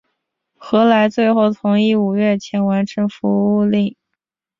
何来最后同意五月前完成服务令。